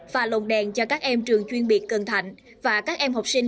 và lồng đèn cho các em trường chuyên biệt cần thạnh và các em học sinh